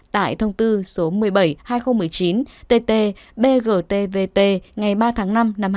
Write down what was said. tại thông tư số một mươi bảy hai nghìn một mươi chín tt bgtvt ngày ba tháng chín